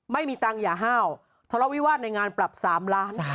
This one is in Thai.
ไม่มีตังค์อย่าห้าวทะเลาวิวาสในงานปรับ๓ล้าน